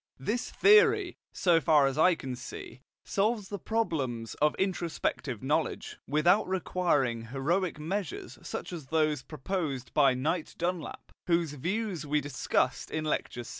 This theory, so far as I can see, solves the problems of introspective knowledge, without requiring heroic measures such as those proposed by Knight Dunlap, whose views we discussed in Lecture VI.